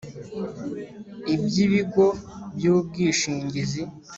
Iby ibigo by ubwishingizi